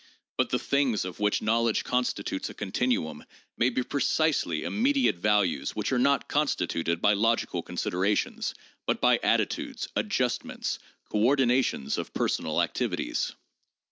But the 'things' of which knowledge constitutes a continuum may he precisely immediate values which are not constituted by logical considerations, but by attitudes, adjustments, coordinations of personal activities.